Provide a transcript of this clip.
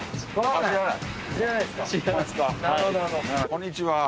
あっこんにちは。